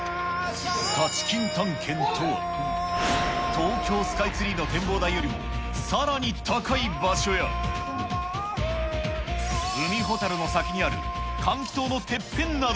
タチキン探検とは、東京スカイツリーの展望台よりもさらに高い場所や、海ほたるの先にある換気塔のてっぺんなど。